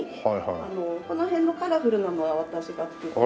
この辺のカラフルなのは私が作ったもの。